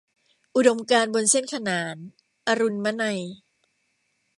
อุดมการณ์บนเส้นขนาน - อรุณมนัย